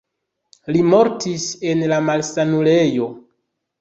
Li mortis en la malsanulejo.